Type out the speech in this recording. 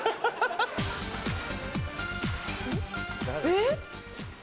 えっ？